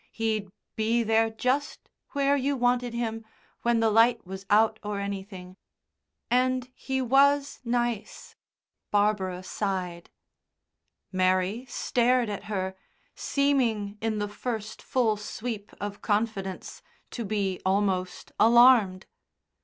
He'd be there just where you wanted him when the light was out or anything. And he was nice." Barbara sighed. Mary stared at her, seeming in the first full sweep of confidence, to be almost alarmed.